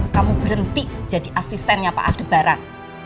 kamu berhenti jadi asistennya pak adebaran